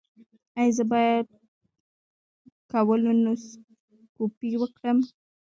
ایا زه باید کولونوسکوپي وکړم؟